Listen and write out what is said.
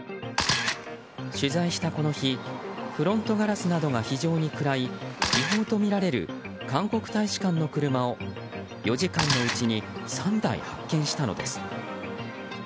取材したこの日フロントガラスなどが非常に暗い、違法とみられる韓国大使館の車を４時間のうちに３台発見したのです。